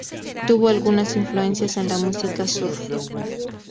Tuvo algunas influencias en la música surf.